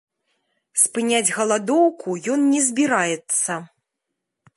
Спыняць галадоўку ён не збіраецца.